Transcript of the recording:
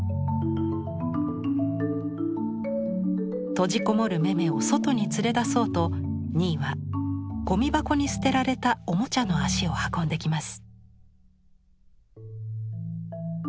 閉じこもるメメを外に連れ出そうとニーはゴミ箱に捨てられたおもちゃの足を運んできます。